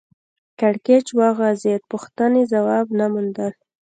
کړکېچ وغځېد پوښتنې ځواب نه موندل